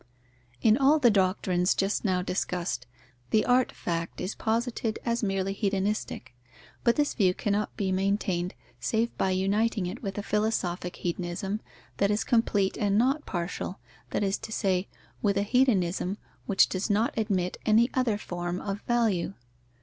_ In all the doctrines just now discussed, the art fact is posited as merely hedonistic. But this view cannot be maintained, save by uniting it with a philosophic hedonism that is complete and not partial, that is to say, with a hedonism which does not admit any other form of value.